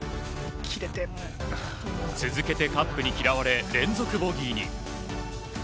続けてカップに嫌われ連続ボギーに。